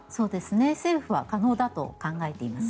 政府は可能だと考えています。